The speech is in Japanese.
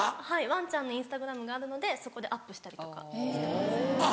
ワンちゃんのＩｎｓｔａｇｒａｍがあるのでそこでアップしたりとかしてます。